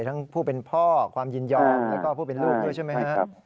ทั้งผู้เป็นพ่อความยินยอมแล้วก็ผู้เป็นลูกด้วยใช่ไหมครับ